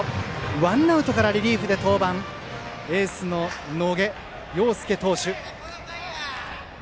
ワンアウトからリリーフで登板エースの野下陽祐投手